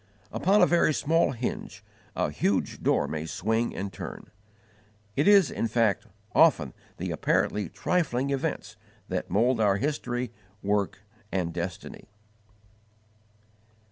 Upon a very small hinge a huge door may swing and turn. It is, in fact, often the apparently trifling events that mould our history, work, and destiny.